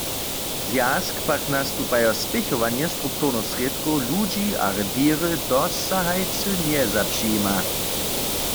Zwjazk pak nastupajo spěchowanje strukturnych srědkow ludźi a rewěry dosahajcy njezapřijima.